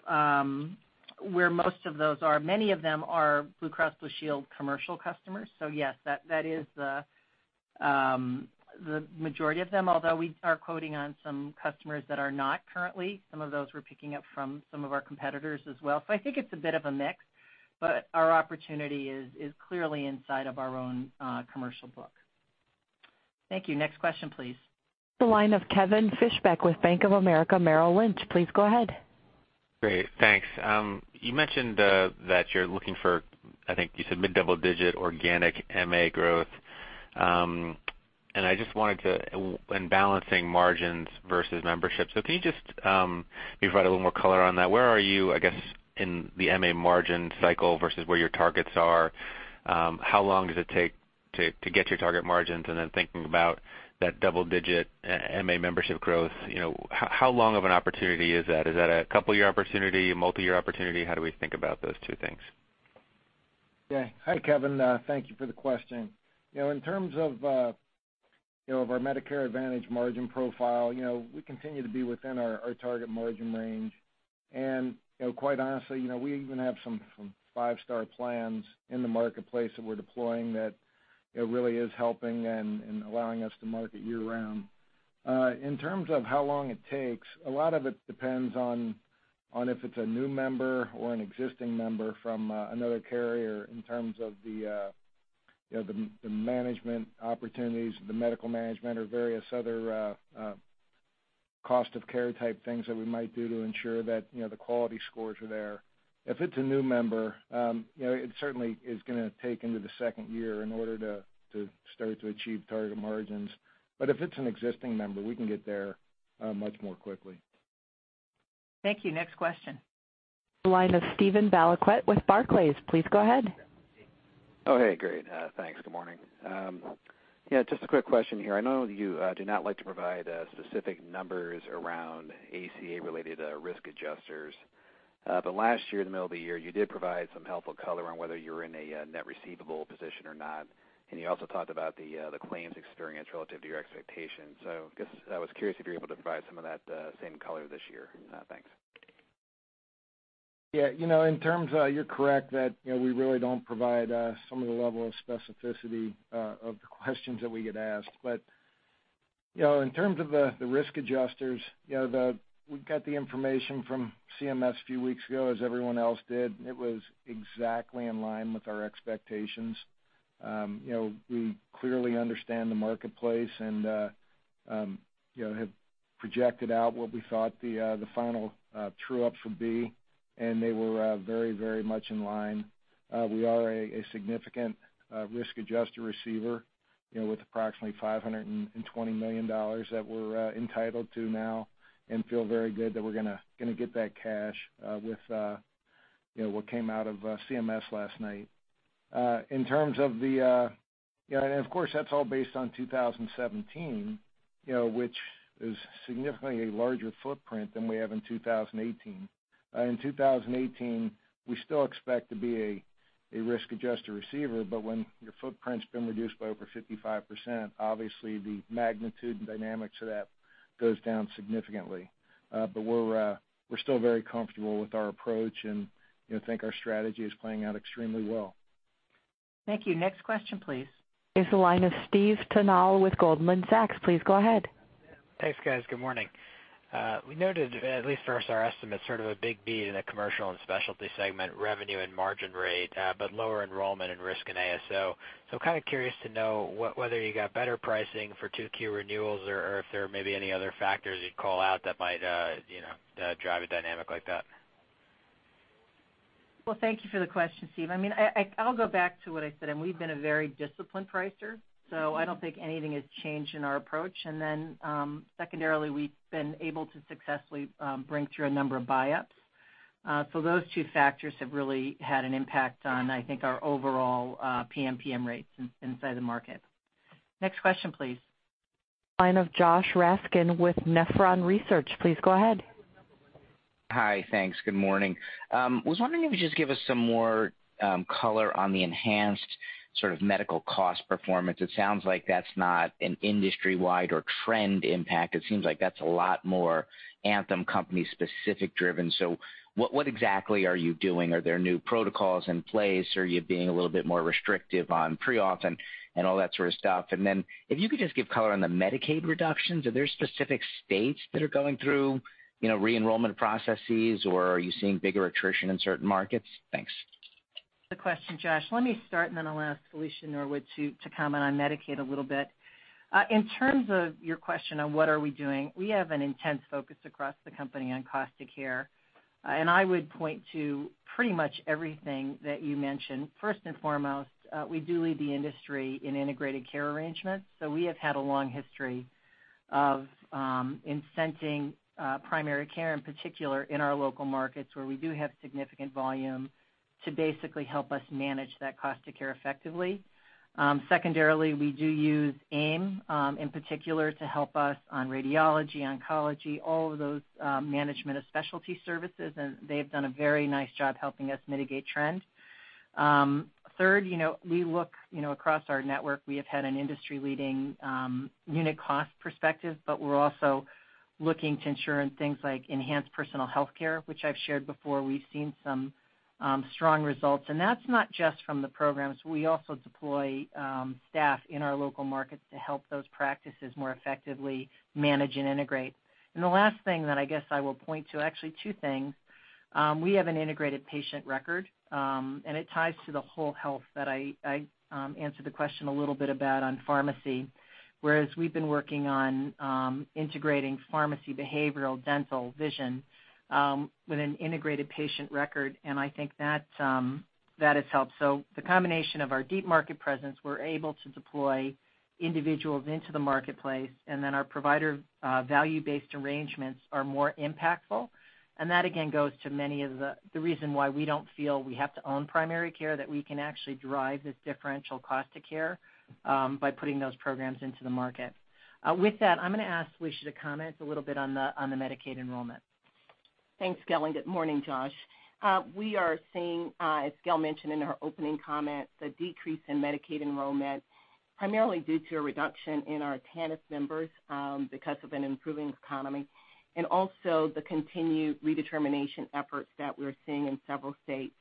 where most of those are, many of them are Blue Cross Blue Shield commercial customers. Yes, that is the majority of them, although we are quoting on some customers that are not currently. Some of those we're picking up from some of our competitors as well. I think it's a bit of a mix, but our opportunity is clearly inside of our own commercial book. Thank you. Next question, please. The line of Kevin Fischbeck with Bank of America Merrill Lynch. Please go ahead. Great. Thanks. You mentioned that you're looking for, I think you said mid-double digit organic MA growth. In balancing margins versus membership, can you just maybe provide a little more color on that? Where are you, I guess, in the MA margin cycle versus where your targets are? How long does it take to get to your target margins? Thinking about that double-digit MA membership growth, how long of an opportunity is that? Is that a couple year opportunity, a multi-year opportunity? How do we think about those two things? Yeah. Hi, Kevin. Thank you for the question. In terms of our Medicare Advantage margin profile, we continue to be within our target margin range. Quite honestly, we even have some five-star plans in the marketplace that we're deploying that really is helping and allowing us to market year-round. In terms of how long it takes, a lot of it depends on if it's a new member or an existing member from another carrier in terms of the management opportunities, the medical management or various other cost of care type things that we might do to ensure that the quality scores are there. If it's a new member, it certainly is going to take into the second year in order to start to achieve target margins. If it's an existing member, we can get there much more quickly. Thank you. Next question. Line of Steven Valiquette with Barclays. Please go ahead. Oh, hey. Great. Thanks. Good morning. Just a quick question here. I know you do not like to provide specific numbers around ACA-related risk adjusters. Last year, in the middle of the year, you did provide some helpful color on whether you're in a net receivable position or not. You also talked about the claims experience relative to your expectations. I guess I was curious if you're able to provide some of that same color this year. Thanks. You're correct that we really don't provide some of the level of specificity of the questions that we get asked. In terms of the risk adjusters, we've got the information from CMS a few weeks ago, as everyone else did. It was exactly in line with our expectations. We clearly understand the marketplace and have projected out what we thought the final true-ups would be, and they were very much in line. We are a significant risk adjuster receiver with approximately $520 million that we're entitled to now and feel very good that we're going to get that cash with what came out of CMS last night. Of course, that's all based on 2017, which is significantly a larger footprint than we have in 2018. In 2018, we still expect to be a risk adjuster receiver, when your footprint's been reduced by over 55%, obviously the magnitude and dynamics of that goes down significantly. We're still very comfortable with our approach and think our strategy is playing out extremely well. Thank you. Next question, please. Is the line of Stephen Tanal with Goldman Sachs. Please go ahead. Thanks, guys. Good morning. We noted, at least for our estimates, sort of a big beat in the Commercial and Specialty Business Division revenue and margin rate, but lower enrollment and risk in ASO. Kind of curious to know whether you got better pricing for 2Q renewals or if there are maybe any other factors you'd call out that might drive a dynamic like that. Well, thank you for the question, Steve. I'll go back to what I said, we've been a very disciplined pricer, I don't think anything has changed in our approach. Secondarily, we've been able to successfully bring through a number of buy-ups. Those two factors have really had an impact on, I think, our overall PMPM rates inside the market. Next question, please. Line of Joshua Raskin with Nephron Research. Please go ahead. Hi, thanks. Good morning. I was wondering if you could just give us some more color on the enhanced sort of medical cost performance. It sounds like that's not an industry-wide or trend impact. It seems like that's a lot more Anthem company specific driven. What exactly are you doing? Are there new protocols in place? Are you being a little bit more restrictive on pre-op and all that sort of stuff? If you could just give color on the Medicaid reductions. Are there specific states that are going through re-enrollment processes, or are you seeing bigger attrition in certain markets? Thanks. Good question, Josh. Let me start, and then I'll ask Felicia Norwood to comment on Medicaid a little bit. In terms of your question on what are we doing, we have an intense focus across the company on cost of care, and I would point to pretty much everything that you mentioned. First and foremost, we do lead the industry in integrated care arrangements. We have had a long history of incenting primary care, in particular in our local markets where we do have significant volume to basically help us manage that cost of care effectively. Secondarily, we do use AIM in particular to help us on radiology, oncology, all of those management of specialty services, and they've done a very nice job helping us mitigate trend. Third, we look across our network. We have had an industry-leading unit cost perspective, but we're also looking to ensure in things like Enhanced Personal Healthcare, which I've shared before, we've seen some strong results. That's not just from the programs. We also deploy staff in our local markets to help those practices more effectively manage and integrate. The last thing that I guess I will point to, actually two things. We have an integrated patient record, and it ties to the whole health that I answered the question a little bit about on pharmacy. Whereas we've been working on integrating pharmacy, behavioral, dental, vision with an integrated patient record, and I think that has helped. The combination of our deep market presence, we're able to deploy individuals into the marketplace, and then our provider value-based arrangements are more impactful. That again goes to many of the reason why we don't feel we have to own primary care, that we can actually drive this differential cost to care by putting those programs into the market. With that, I'm going to ask Felicia to comment a little bit on the Medicaid enrollment. Thanks, Gail, and good morning, Josh. We are seeing, as Gail mentioned in her opening comments, the decrease in Medicaid enrollment primarily due to a reduction in our TANF members because of an improving economy, also the continued redetermination efforts that we're seeing in several states.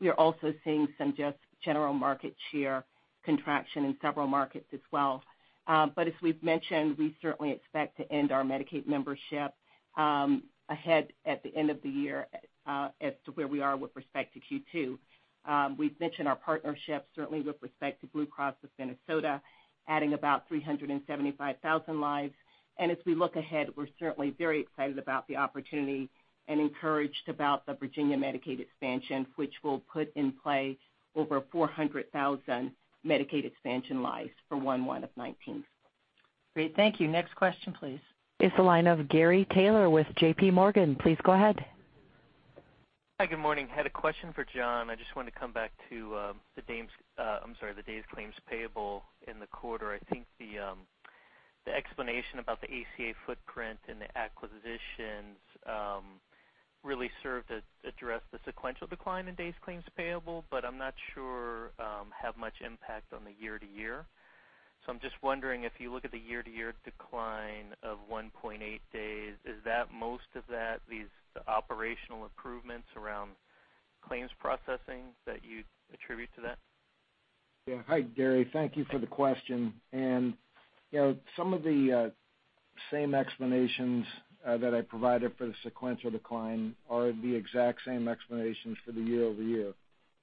We are also seeing some just general market share contraction in several markets as well. As we've mentioned, we certainly expect to end our Medicaid membership ahead at the end of the year as to where we are with respect to Q2. We've mentioned our partnership certainly with respect to Blue Cross of Minnesota adding about 375,000 lives. As we look ahead, we're certainly very excited about the opportunity and encouraged about the Virginia Medicaid expansion, which will put in place over 400,000 Medicaid expansion lives for 1/1/2019. Great. Thank you. Next question, please. It's the line of Gary Taylor with JPMorgan. Please go ahead. Hi, good morning. Had a question for John. I just wanted to come back to the days claims payable in the quarter. I think the explanation about the ACA footprint and the acquisitions really served to address the sequential decline in days claims payable, but I'm not sure have much impact on the year-to-year. I'm just wondering if you look at the year-to-year decline of 1.8 days, is most of that these operational improvements around claims processing that you'd attribute to that? Yeah. Hi, Gary. Thank you for the question. Some of the same explanations that I provided for the sequential decline are the exact same explanations for the year-over-year.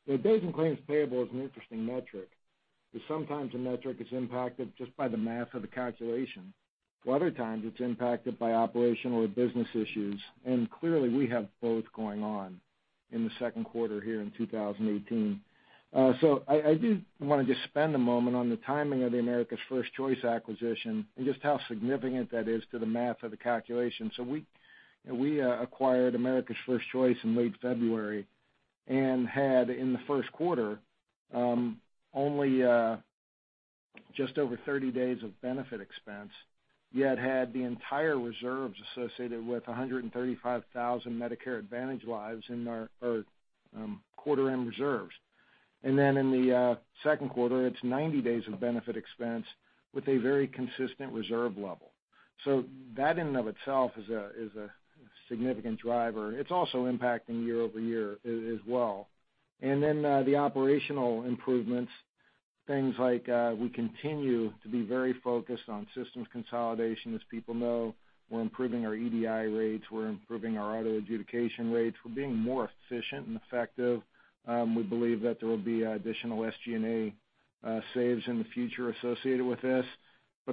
The days in claims payable is an interesting metric, because sometimes a metric is impacted just by the math of the calculation. Other times it's impacted by operational or business issues, and clearly we have both going on in the second quarter here in 2018. I do want to just spend a moment on the timing of the America's 1st Choice acquisition and just how significant that is to the math of the calculation. We acquired America's 1st Choice in late February and had in the first quarter only just over 30 days of benefit expense, yet had the entire reserves associated with 135,000 Medicare Advantage lives in our quarter end reserves. In the second quarter, it's 90 days of benefit expense with a very consistent reserve level. That in and of itself is a significant driver. It's also impacting year-over-year as well. The operational improvements, things like we continue to be very focused on systems consolidation. As people know, we're improving our EDI rates. We're improving our auto adjudication rates. We're being more efficient and effective. We believe that there will be additional SG&A saves in the future associated with this.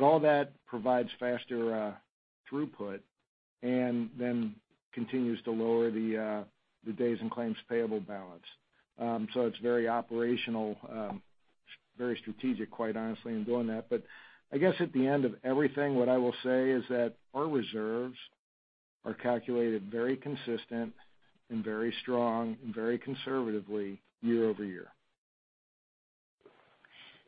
All that provides faster throughput and then continues to lower the days in claims payable balance. It's very operational, very strategic, quite honestly, in doing that. I guess at the end of everything, what I will say is that our reserves are calculated very consistent and very strong and very conservatively year-over-year.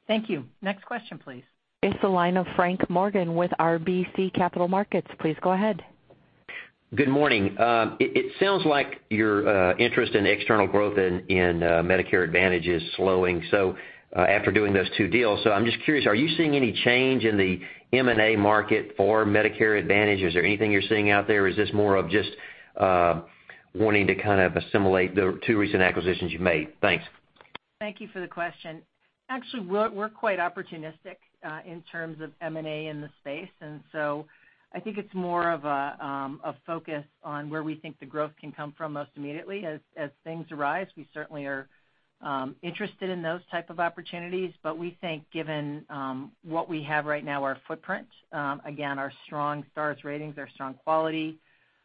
Thank you. Next question, please. It's the line of Frank Morgan with RBC Capital Markets. Please go ahead. Good morning. It sounds like your interest in external growth in Medicare Advantage is slowing after doing those two deals. I'm just curious, are you seeing any change in the M&A market for Medicare Advantage? Is there anything you're seeing out there? Is this more of just wanting to kind of assimilate the two recent acquisitions you've made? Thanks. Thank you for the question. Actually, we're quite opportunistic in terms of M&A in the space. I think it's more of a focus on where we think the growth can come from most immediately. As things arise, we certainly are interested in those type of opportunities. We think given what we have right now, our footprint, again, our strong stars ratings, our strong quality,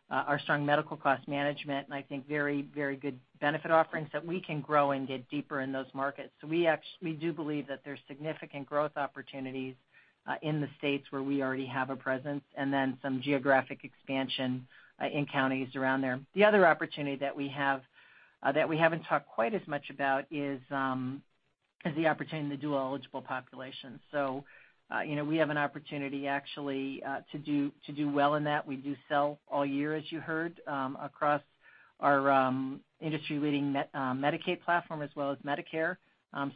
our strong medical cost management, and I think very good benefit offerings, that we can grow and get deeper in those markets. We do believe that there's significant growth opportunities in the states where we already have a presence and then some geographic expansion in counties around there. The other opportunity that we haven't talked quite as much about is the opportunity in the dual eligible population. We have an opportunity actually to do well in that. We do sell all year, as you heard, across our industry leading Medicaid platform as well as Medicare.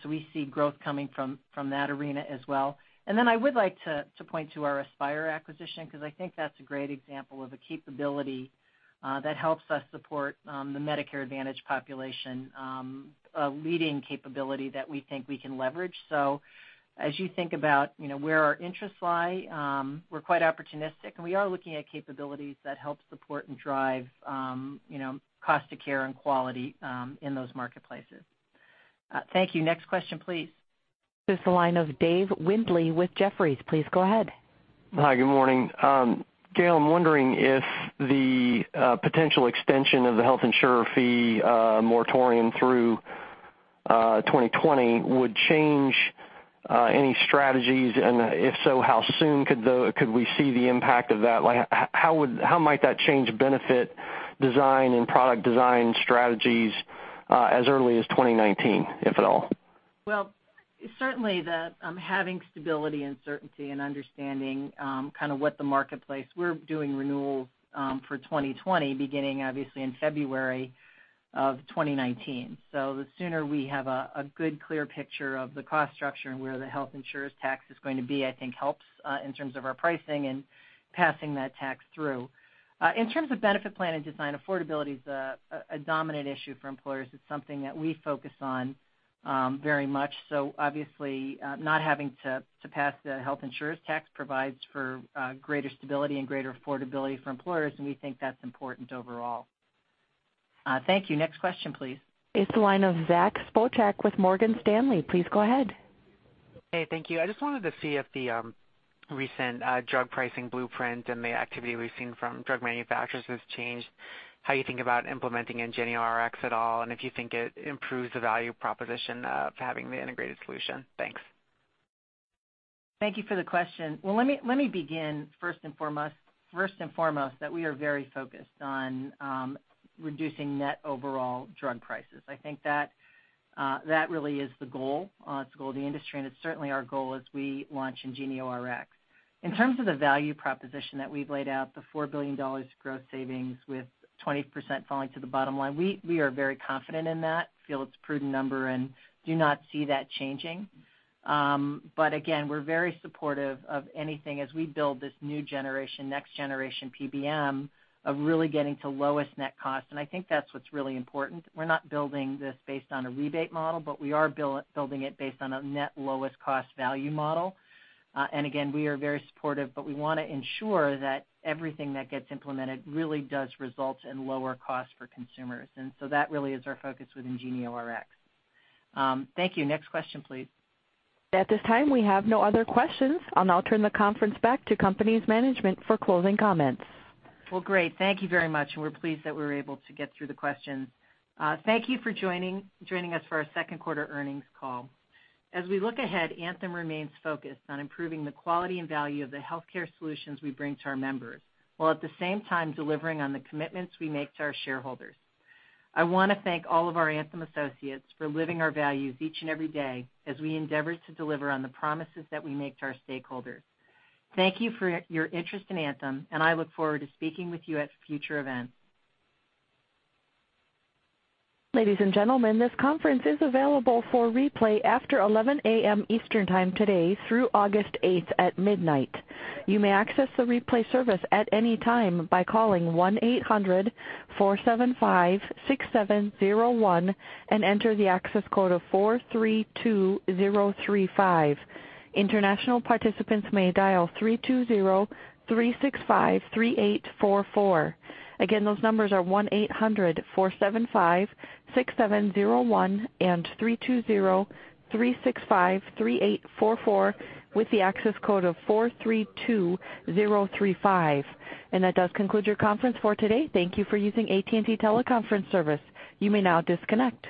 We see growth coming from that arena as well. I would like to point to our Aspire acquisition because I think that's a great example of a capability that helps us support the Medicare Advantage population, a leading capability that we think we can leverage. As you think about where our interests lie, we're quite opportunistic, and we are looking at capabilities that help support and drive cost to care and quality in those marketplaces. Thank you. Next question, please. This is the line of David Windley with Jefferies. Please go ahead. Hi, good morning. Gail, I'm wondering if the potential extension of the health insurer fee moratorium through 2020 would change any strategies. If so, how soon could we see the impact of that? How might that change benefit design and product design strategies as early as 2019, if at all? Well, certainly having stability and certainty. We're doing renewals for 2020, beginning obviously in February of 2019. The sooner we have a good, clear picture of the cost structure and where the health insurance tax is going to be, I think helps in terms of our pricing and passing that tax through. In terms of benefit plan and design, affordability is a dominant issue for employers. It's something that we focus on very much. Obviously, not having to pass the health insurance tax provides for greater stability and greater affordability for employers. We think that's important overall. Thank you. Next question, please. It's the line of Zack Sopcak with Morgan Stanley. Please go ahead. Hey, thank you. I just wanted to see if the recent drug pricing blueprint and the activity we've seen from drug manufacturers has changed how you think about implementing IngenioRx at all, and if you think it improves the value proposition of having the integrated solution. Thanks. Thank you for the question. Well, let me begin first and foremost, that we are very focused on reducing net overall drug prices. I think that really is the goal. It's the goal of the industry, and it's certainly our goal as we launch IngenioRx. In terms of the value proposition that we've laid out, the $4 billion growth savings with 20% falling to the bottom line, we are very confident in that, feel it's a prudent number, and do not see that changing. Again, we're very supportive of anything as we build this new generation, next generation PBM of really getting to lowest net cost, and I think that's what's really important. We're not building this based on a rebate model, but we are building it based on a net lowest cost value model. Again, we are very supportive, but we want to ensure that everything that gets implemented really does result in lower costs for consumers. That really is our focus with IngenioRx. Thank you. Next question, please. At this time, we have no other questions. I'll now turn the conference back to company's management for closing comments. Well, great. Thank you very much, and we're pleased that we were able to get through the questions. Thank you for joining us for our second quarter earnings call. As we look ahead, Anthem remains focused on improving the quality and value of the healthcare solutions we bring to our members, while at the same time delivering on the commitments we make to our shareholders. I want to thank all of our Anthem associates for living our values each and every day as we endeavor to deliver on the promises that we make to our stakeholders. Thank you for your interest in Anthem, and I look forward to speaking with you at future events. Ladies and gentlemen, this conference is available for replay after 11:00 A.M. Eastern time today through August 8th at midnight. You may access the replay service at any time by calling 1-800-475-6701 and enter the access code of 432035. International participants may dial 320-365-3844. Again, those numbers are 1-800-475-6701 and 320-365-3844 with the access code of 432035. That does conclude your conference for today. Thank you for using AT&T Teleconference service. You may now disconnect.